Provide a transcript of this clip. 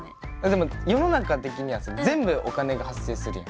でも世の中的にはさ全部お金が発生するじゃん。